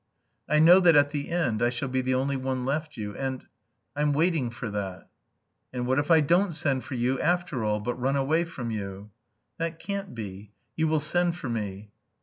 "I know that at the end I shall be the only one left you, and... I'm waiting for that." "And what if I don't send for you after all, but run away from you?" "That can't be. You will send for me."